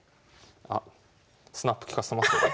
あっスナップ利かせてますね。